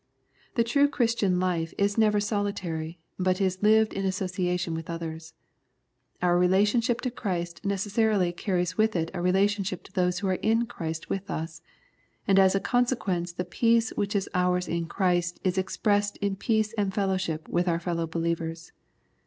The true Christian life is never solitary, but is lived in association with others. Our re lationship to Christ necessarily carries with it a relationship to those who are in Christ with us, and as a consequence the peace which is ours in Christ is expressed in peace and fellowship with our fellow believers.